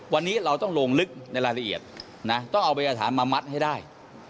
วันนี้เราต้องลงลึกในรายละเอียดนะต้องเอาพยาฐานมามัดให้ได้